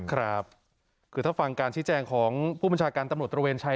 ครับคือถ้าฟังการชี้แจงของผู้บัญชาการตำรวจตระเวนชัย